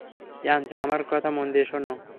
অ্যাঞ্জ, আমার কথা মন দিয়ে শোনো।